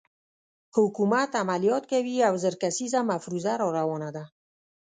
حکومت عملیات کوي او زر کسیزه مفروزه راروانه ده.